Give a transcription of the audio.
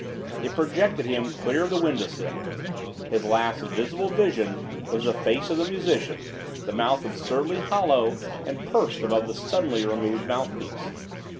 It projected him clear of the window sill. His last sensible vision was the face of the musician, the mouth absurdly hollow and pursed above the suddenly removed mouthpiece.